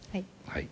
はい。